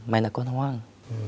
mày là con hoang